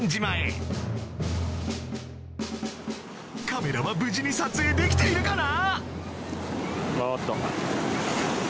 カメラは無事に撮影できているかな？